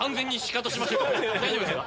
大丈夫ですか？